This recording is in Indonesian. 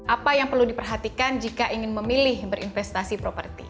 apa yang perlu diperhatikan jika ingin memilih berinvestasi properti